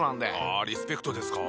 あリスペクトですか。